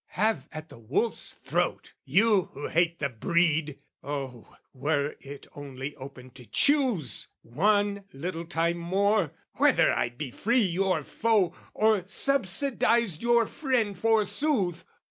Have at the wolf's throat, you who hate the breed! Oh, were it only open to choose One little time more whether I'd be free Your foe, or subsidised your friend forsooth!